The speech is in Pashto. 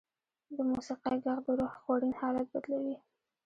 د موسیقۍ ږغ د روح خوړین حالت بدلوي.